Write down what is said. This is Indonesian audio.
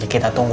ya kita tunggu